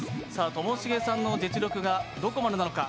ともしげさんの実力がどこまでなのか。